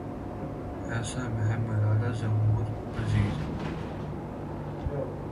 اَیسا میں ملالہ ظہور پزیر